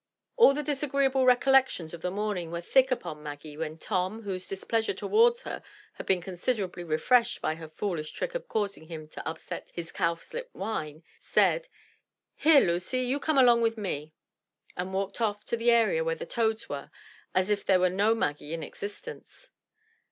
All the disagreeable recollections of the morning were thick upon Maggie when Tom, whose displeasure towards her had been considerably refreshed by her foolish trick of causing him to up set his cowslip wine, said, "Here, Lucy, you come along with me," and walked off to the area where the toads were, as if there were no Maggie in existence.